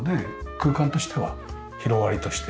空間としては広がりとして。